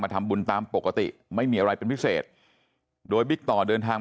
ทำบุญตามปกติไม่มีอะไรเป็นพิเศษโดยบิ๊กต่อเดินทาง